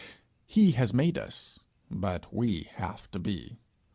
He has made us, but we have to be.